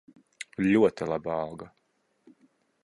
Ļoti laba alga.